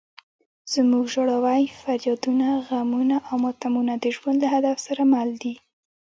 زموږ ژړاوې، فریادونه، غمونه او ماتمونه د ژوند له هدف سره مل دي.